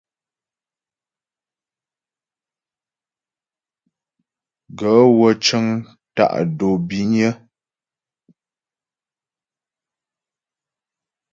Gaə̂ wə́ cə́ŋ tá' dǒ bínyə́.